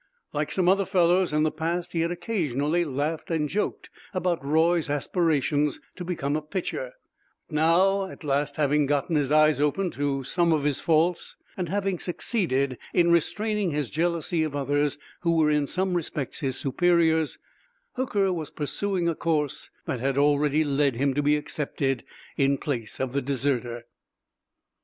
Like some other fellows, in the past he had occasionally laughed and joked about Roy's aspirations to become a pitcher; but now, at last having gotten his eyes open to some of his faults, and having succeeded in restraining his jealousy of others who were in some respects his superiors, Hooker was pursuing a course that had already led him to be accepted in place of the deserter.